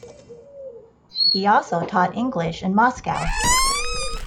He also taught English in Moscow.